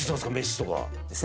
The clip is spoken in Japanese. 飯とか。